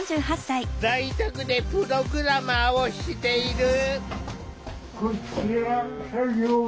在宅でプログラマーをしている。